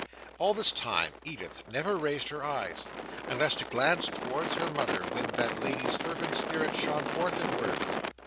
All this time, Edith never raised her eyes, unless to glance towards her mother when that lady's fervent spirit shone forth in words.